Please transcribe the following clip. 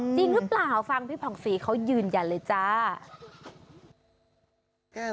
จริงหรือเปล่าฟังพี่ผ่องศรีเขายืนยันเลยจ้า